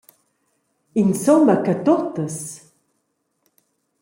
«Insumma che tuttas?»